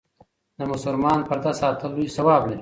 د مسلمان پرده ساتل لوی ثواب لري.